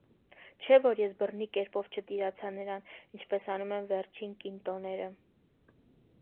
Չէ՞ որ ես բռնի կերպով չտիրացա նրան, ինչպես անում են վերջին կինտոները: